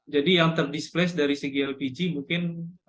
jadi yang ter displace dari segi lpg mungkin